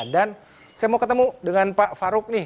dan saya mau ketemu dengan pak farouk nih